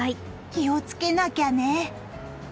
気をつけなきゃね。